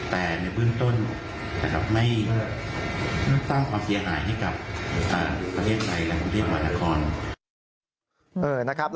แต่ในพื้นต้นแต่มันไม่ต้องเกรียะหายให้กับ